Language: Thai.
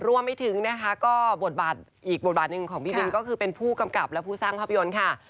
รวมไปถึงนะคะก็บทบาทอีกบทบาทหนึ่งของพี่บินก็คือเป็นผู้กำกับและผู้สร้างภาพยนตร์ค่ะ